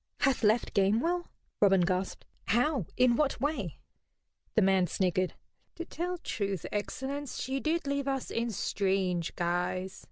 "Hath left Gamewell?" Robin gasped. "How? In what way?" The man sniggered. "To tell truth, excellence, she did leave us in strange guise.